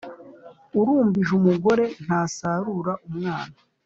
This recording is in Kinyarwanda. Urumbije umugore ntasarura umwana.